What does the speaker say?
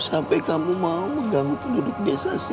sampai kamu mau mengganggu penduduk desa sih